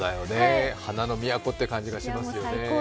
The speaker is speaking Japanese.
花の都って感じがしますもんね。